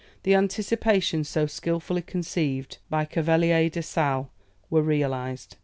The anticipations so skilfully conceived by Cavelier de la Sale, were realized.